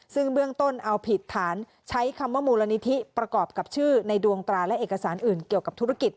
ซึ่งเบื้องต้นเอาผิดฐานใช้คำว่ามูลนิธิประกอบกับชื่อในดวงตราและเอกสารอื่นเกี่ยวกับธุรกิจ